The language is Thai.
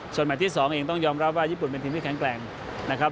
ส่วนแมทที่๒เองต้องยอมรับว่าญี่ปุ่นเป็นทีมที่แข็งแกร่งนะครับ